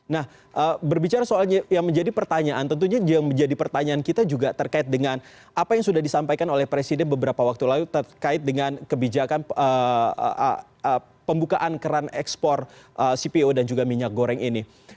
nah berbicara soalnya yang menjadi pertanyaan tentunya yang menjadi pertanyaan kita juga terkait dengan apa yang sudah disampaikan oleh presiden beberapa waktu lalu terkait dengan kebijakan pembukaan keran ekspor cpo dan juga minyak goreng ini